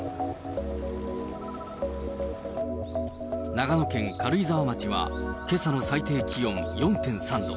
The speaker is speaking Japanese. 長野県軽井沢町は、けさの最低気温４．３度。